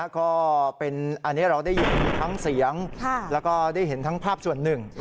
ก็เป็นอันนี้เราได้ยินทั้งเสียงแล้วก็ได้เห็นทั้งภาพส่วนหนึ่ง